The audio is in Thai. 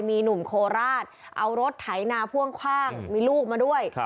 มีหนุ่มโคราชเอารถไถนาพ่วงคว่างมีลูกมาด้วย